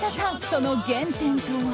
その原点とは？